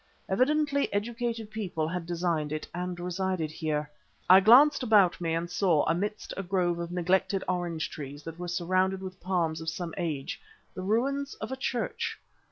Evidently educated people had designed it and resided here. I glanced about me and saw, amidst a grove of neglected orange trees that were surrounded with palms of some age, the ruins of a church.